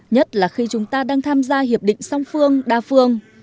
nhất là khi chúng ta đang tham gia hiệp định song phương đa phương